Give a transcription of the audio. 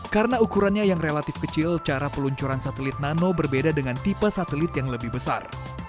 karena ukurannya yang relatif kecil cara peluncuran satelit nano berbeda dengan tipe satelit yang lebih besar